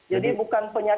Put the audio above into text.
jadi bukan penyakit